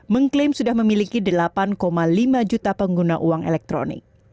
mengklaim sudah memiliki delapan lima juta pengguna uang elektronik